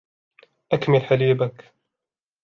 أكمل حليبك.